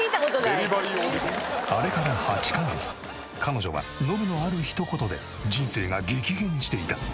あれから８カ月彼女はノブのある一言で人生が激変していた。